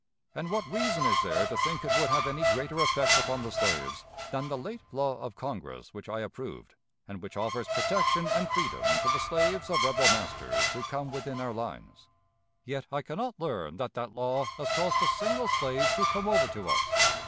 And what reason is there to think it would have any greater effect upon the slaves than the late law of Congress which I approved, and which offers protection and freedom to the slaves of rebel masters who come within our lines? Yet I can not learn that that law has caused a single slave to come over to us.